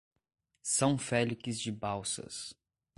São Félix de Balsas